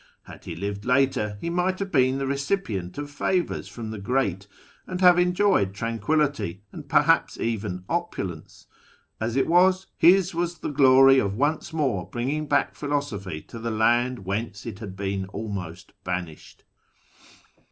Had he lived later, he might have been the recipient of favours from the great, and have enjoyed tranquillity, and perhaps even opulence : as it was, his was the glory of once more bringing back philosophy to the land whence it had been almost banished.